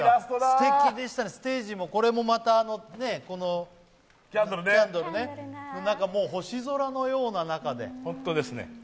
すてきでしたね、ステージもキャンドルね、星空のような中で。